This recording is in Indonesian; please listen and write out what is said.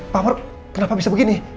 pak mark kenapa bisa begini